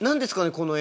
この絵。